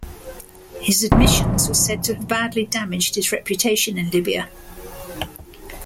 His admissions were said to have badly damaged his reputation in Libya.